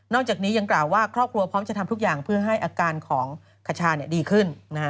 จากนี้ยังกล่าวว่าครอบครัวพร้อมจะทำทุกอย่างเพื่อให้อาการของขชาดีขึ้น